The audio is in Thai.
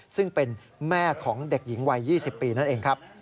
ซึ่งเป็นแม่ของเด็กหญิงวัย๒๐ปีนั่นเองครับ